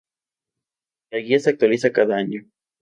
La guía se actualiza cada año.